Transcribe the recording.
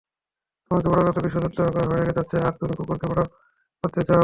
তোমাকে বড় করতে বিশ্বযুদ্ধ হয়ে যাচ্ছে, আর তুমি কুকুরকে বড় করতে চাও?